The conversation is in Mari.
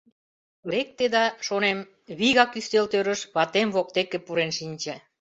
Лекте да, — шонем, — вигак ӱстелтӧрыш ватем воктеке пурен шинче.